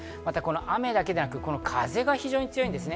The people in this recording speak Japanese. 雨だけではなく風が非常に強いんですね。